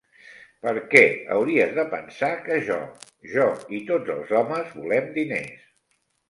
Perquè hauries de pensar que jo, jo i tots els homes volem diners?